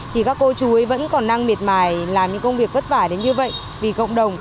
thì các cô chú ấy vẫn còn đang miệt mài làm những công việc vất vả đến như vậy vì cộng đồng